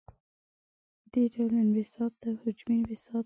دې ډول انبساط ته حجمي انبساط وايي.